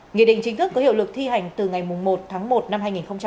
nghị định chính thức có hiệu lực thi hành từ ngày một tháng một năm hai nghìn hai mươi